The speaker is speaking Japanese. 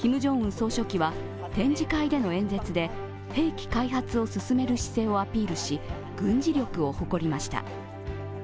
総書記は展示会での演説で兵器開発を進める姿勢をアピールし軍事力を誇りました。